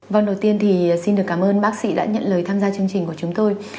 vâng đầu tiên thì xin được cảm ơn bác sĩ đã nhận lời tham gia chương trình của chúng tôi